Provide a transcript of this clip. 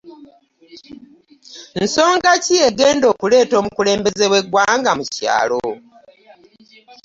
Nsonga ki egenda okuleeta omukulembeze w'eggwanga mu kyalo?